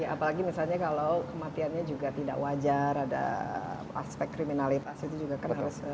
apalagi misalnya kalau kematiannya juga tidak wajar ada aspek kriminalitas itu juga kan harus